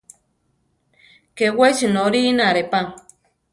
Ké wesi norínare pa.